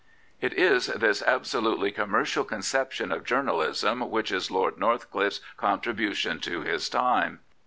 It is this absolutely commercial conception of journalism which is Lord Northcliffe's contribution to his time.